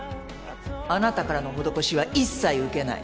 あなたからの施しは一切受けない。